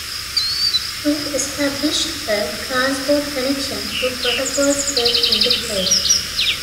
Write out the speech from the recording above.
To establish a transport connection, two protocols came into play.